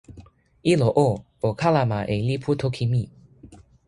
ilo o, o kalama e lipu toki mi.